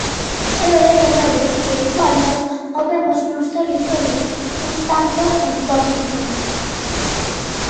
E é verdade que igual nos movemos nuns territorios un tanto utópicos.